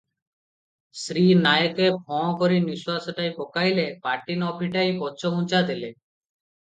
ଶ୍ରୀ ନାୟକେ ଫଁ କରି ନିଶ୍ୱାସଟାଏ ପକାଇଲେ, ପାଟି ନ ଫିଟାଇ ପଛଘୁଞ୍ଚା ଦେଲେ ।